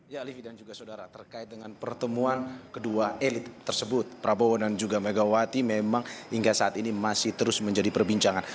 ya alif dan juga saudara terkait dengan pertemuan kedua elit tersebut prabowo dan juga megawati memang hingga saat ini masih terus menjadi perbincangan